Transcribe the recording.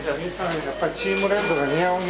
やっぱりチームレッドが似合うね。